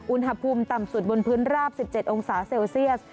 อุณหภูมิต่ำสุดบนพื้นราบ๑๗องศาเซลเซียส